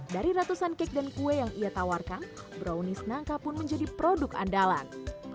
dari ratusan cake dan kue yang ia tawarkan brownies nangka pun menjadi produk andalan